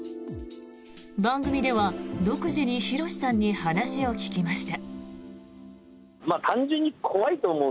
番組では、独自にヒロシさんに話を聞きました。